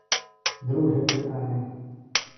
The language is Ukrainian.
Друге питання.